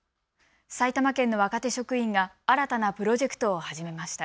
埼玉県の若手職員が新たなプロジェクトを始めました。